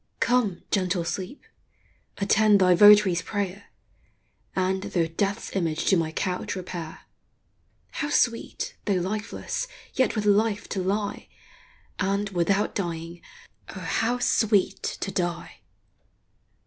Come, gentle sleep! attend thy votary's prayer, Ynd, though death's image, to my couch repair; How sweet, though lifeless, yet with life; to lie, And, without dying, O how sweet to die